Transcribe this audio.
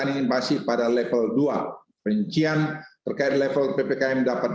heisman heisman kita menggunakan keinginan menalanku membuat mendekati hal event pppkm mendatake j savageing